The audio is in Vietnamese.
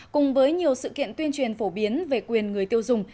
cùng với nhiều sự kiện tuyên truyền phổ biến về quyền người tiêu dùng